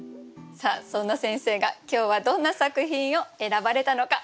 さあそんな先生が今日はどんな作品を選ばれたのか。